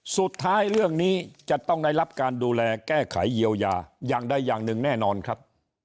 เรื่องนี้จะต้องได้รับการดูแลแก้ไขเยียวยาอย่างใดอย่างหนึ่งแน่นอนครับ